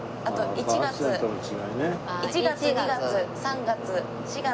１月２月３月４月。